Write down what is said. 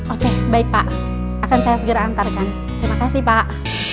oke baik pak akan saya segera antarkan terima kasih pak